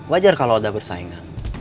wajar kalau ada bersaingan